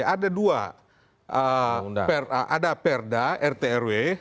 ada dua ada perda rt rw